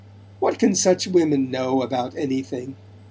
"What can such women know about anything?"